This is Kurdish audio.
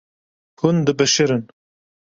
Hûn dibişirin.